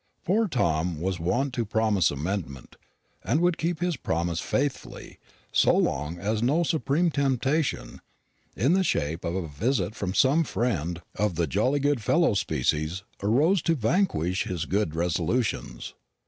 Poor Tom was wont to promise amendment, and would keep his promise faithfully so long as no supreme temptation, in the shape of a visit from some friend of the jolly good fellow species, arose to vanquish his good resolutions.